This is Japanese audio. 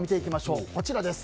こちらです。